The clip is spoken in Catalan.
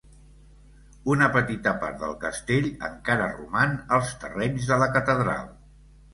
Una petita part del castell encara roman als terrenys de la catedral.